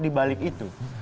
di balik itu